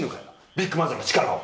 ビッグマザーの力を。